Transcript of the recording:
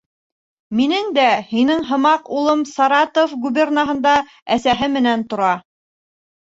Минең дә һинең һымаҡ улым Саратов губернаһында әсәһе менән тора.